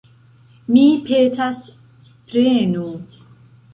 Mi petas, prenu!